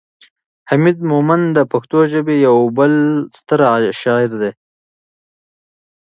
حمید مومند د پښتو ژبې یو بل ستر شاعر دی.